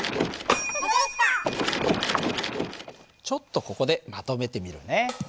ちょっとここでまとめてみるね。